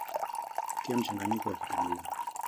tia mchanganyiko wa kitunguu